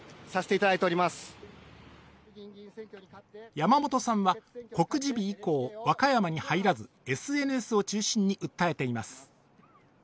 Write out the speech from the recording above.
山本さんは告示日以降和歌山に入らず、ＳＮＳを中心に訴えています。